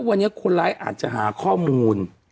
วันนี้คนร้ายอาจจะหาข้อมูล